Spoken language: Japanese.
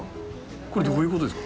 これどういうことですか？